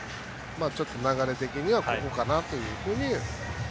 ちょっと流れ的にはここかなというふうに。